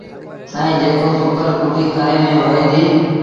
ائيٚݩ جيڪو سُڪل ڪُٽيٚ کري ميݩ هوئي ديٚ۔